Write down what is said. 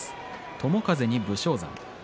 友風に武将山。